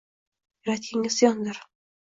Yaratganga isyondir.